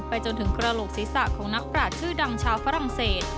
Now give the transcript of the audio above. จนถึงกระโหลกศีรษะของนักปราศชื่อดังชาวฝรั่งเศส